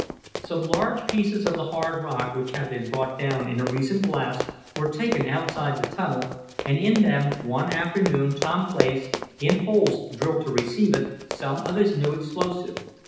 Some large pieces of the hard rock, which had been brought down in a recent blast, were taken outside the tunnel, and in them one afternoon Tom placed, in holes drilled to receive it, some of his new explosive.